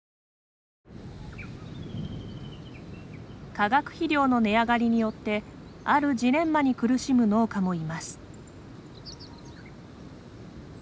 化学肥料の値上がりによってあるジレンマに苦しむ農家もいます。